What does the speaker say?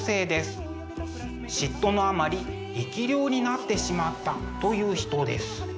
嫉妬のあまり生き霊になってしまったという人です。